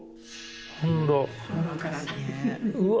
うわ！